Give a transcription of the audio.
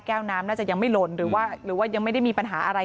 แก้วน้ำน่าจะยังไม่ลนหรือว่ายังไม่ได้มีปัญหาอะไร